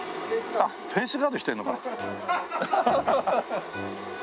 あっフェイスガードしてるのか。